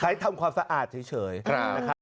ใช้ทำความสะอาดเฉยนะครับครับ